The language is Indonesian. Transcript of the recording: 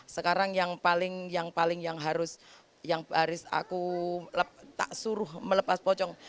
sekarang yang paling yang harus yang harus aku tak suruh melepas pocong